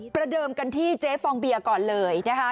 ประเดิมกันที่เจ๊ฟองเบียก่อนเลยนะคะ